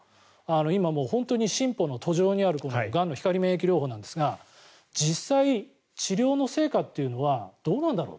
今、本当に進歩の途上にあるがんの光免疫療法なんですが実際、治療の成果というのはどうなんだろう。